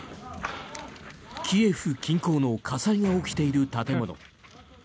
キエフ近郊の火災が起きている建物。